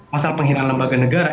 pasal penghinaan lembaga negara